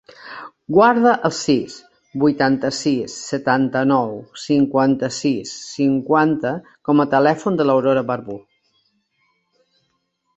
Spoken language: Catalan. Guarda el sis, vuitanta-sis, setanta-nou, cinquanta-sis, cinquanta com a telèfon de l'Aurora Barbu.